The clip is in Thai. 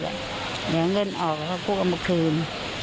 เหลียวเงินออกเขาก็ฟุกเอามาคืน